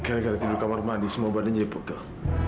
kadang kadang tidur di kamar mandi semua badannya jepuk kak